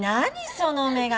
その眼鏡。